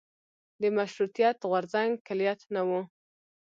د مشروطیت غورځنګ کلیت نه و.